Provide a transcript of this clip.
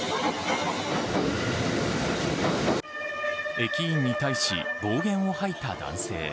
駅員に対し暴言を吐いた男性。